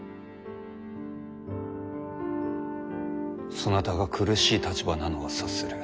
そなたが苦しい立場なのは察する。